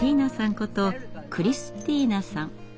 ことクリスティーナさん。